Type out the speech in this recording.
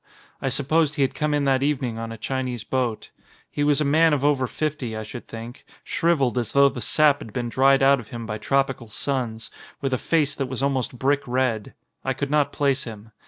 I supposed he had come in that evening on a Chinese boat. He was a man of over fifty, I should think, shrivelled as though the sap had been dried out of him by tropical suns, with a face that was almost brick red. I could not place him.